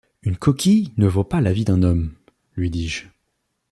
Une coquille ne vaut pas la vie d’un homme ! lui dis-je.